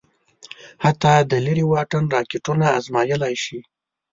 حتی د لېرې واټن راکېټونه ازمايلای شي.